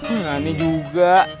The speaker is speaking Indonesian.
enggak nih juga